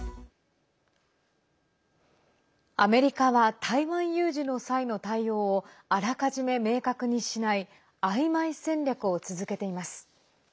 アメリカは台湾有事の際の対応をあらかじめ明確にしないあいまい戦略を続けています。